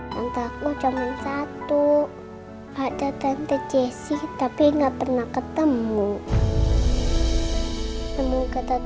mantaku cuman satu ada tante jesse tapi nggak pernah ketemu